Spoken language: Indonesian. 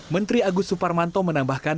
menteri agus suparmanto menambahkan